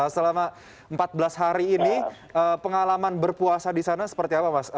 selama empat belas hari ini pengalaman berpuasa di sana seperti apa mas